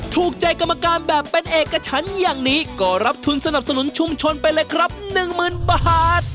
ถูกใจกรรมการแบบเป็นเอกชั้นอย่างนี้ก็รับทุนสนับสนุนชุมชนไปเลยครับ๑๐๐๐บาท